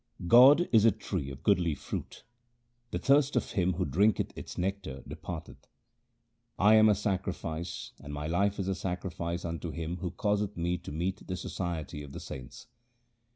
God is a tree of goodly fruit ; the thirst of him who drinketh its nectar departeth. I am a sacrifice, and my life is a sacrifice unto Him who causeth me to meet the society of the saints.